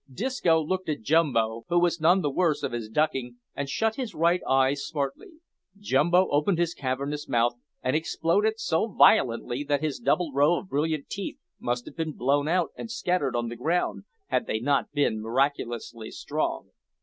Disco looked at Jumbo, who was none the worse of his ducking, and shut his right eye smartly. Jumbo opened his cavernous mouth, and exploded so violently that his double row of brilliant teeth must have been blown out and scattered on the ground, had they not been miraculously strong.